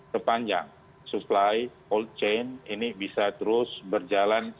sepanjang supply cold chain ini bisa terus berjalan